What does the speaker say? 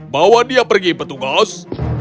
bawa dia pergi petugas